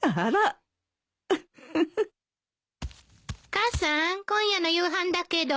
母さん今夜の夕飯だけど。